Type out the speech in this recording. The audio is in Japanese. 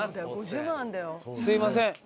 すいません。